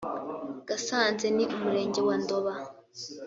gasanze ni umurenge wa ndoba